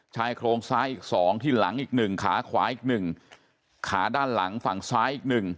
ชายโครงซ้าย๒ที่หลังอีก๑ขาขวาอีก๑ขาด้านหลังฝั่งซ้ายอีก๑